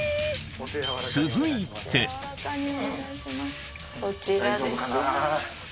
続いてこちらです。